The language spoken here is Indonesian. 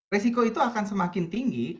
resiko itu akan semakin tinggi